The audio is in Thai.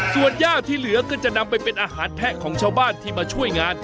ส่วนย่าที่เหลือก็จะนำไปเป็นอาหารแพะของชาวบ้านที่มาช่วยงาน